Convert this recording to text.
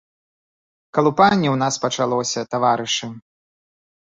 Калупанне ў нас пачалося, таварышы!